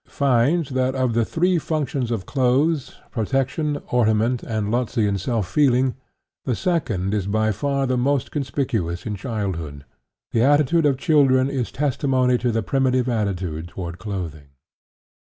366), finds that of the three functions of clothes protection, ornament, and Lotzean "self feeling" the second is by far the most conspicuous in childhood. The attitude of children is testimony to the primitive attitude toward clothing.